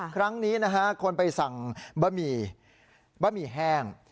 ครั้งนี้นะฮะคนไปสั่งบะหมี่บะหมี่แห้ง